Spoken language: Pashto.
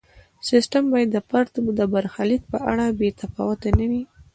سیستم باید د فرد د برخلیک په اړه بې تفاوت نه وي.